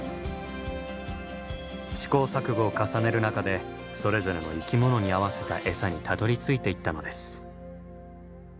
試行錯誤を重ねる中でそれぞれの生き物に合わせた餌にたどりついていったのです。